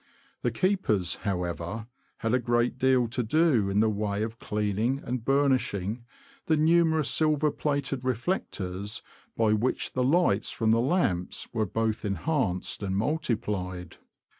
The keepers, however, had a great deal to do in the way of cleaning and burnishing the numerous silver plated reflectors by which the lights from the lamps were both enhanced and multiplied.